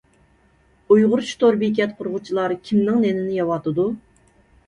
ئۇيغۇرچە تور بېكەت قۇرغۇچىلار كىمنىڭ نېنىنى يەۋاتىدۇ؟